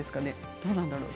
どうなんだろう。